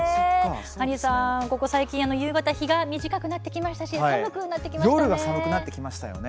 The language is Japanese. ハリーさん、ここ最近、夕方日が短くなってきましたし寒くなってきましたね。